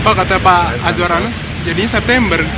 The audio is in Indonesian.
pak kata pak azwaranes jadinya september